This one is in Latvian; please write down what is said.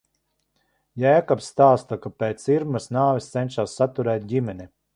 Jēkabs stāsta, kā pēc Irmas nāves cenšas saturēt ģimeni.